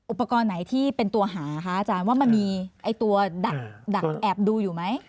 อุปกรณ์ไหนที่เป็นตัวหาคะอาจารย์ว่ามันมีตัวดักแอบดูอยู่ไหม